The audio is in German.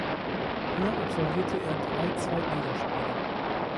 Hier absolvierte er drei Zweitligaspiele.